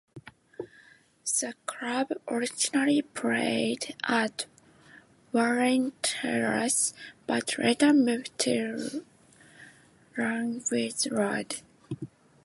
The club originally played at Warren Terrace, but later moved to Langwith Road.